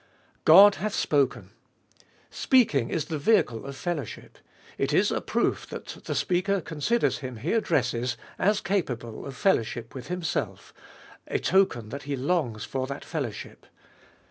God hath spoken ! Speaking is the vehicle of fellowship. It is a proof that the speaker considers him he addresses as capable of fellowship with himself; a token that he longs for that fellowship.